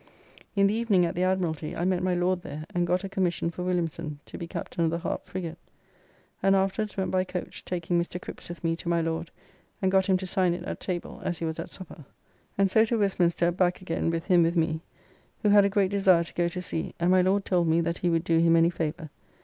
In the evening at the Admiralty, I met my Lord there and got a commission for Williamson to be captain of the Harp frigate, and afterwards went by coach taking Mr. Crips with me to my Lord and got him to sign it at table as he was at supper. And so to Westminster back again with him with me, who had a great desire to go to sea and my Lord told me that he would do him any favour.